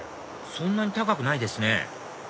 そんなに高くないですね